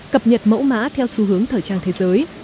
cập nhật mẫu mã theo xu hướng thời trang thế giới